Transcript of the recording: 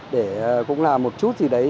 để cũng là một chút gì đấy